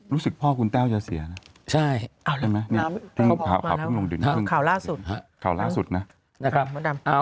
รู้สึกพ่อคุณแต้วจะเสียนะใช่เอาใช่ไหมข่าวล่าสุดนะนะครับ